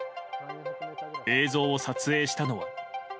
映像を撮影したのは。